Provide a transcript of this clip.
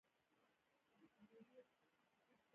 الوتکه د ژغورنې کارونو کې مرسته کوي.